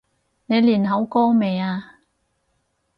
你練好歌未呀？